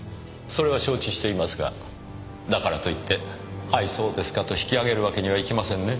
それは承知していますがだからといってはいそうですかと引き揚げるわけにはいきませんね。